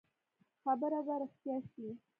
خبره به رښتيا شي.